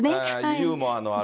ユーモアのある。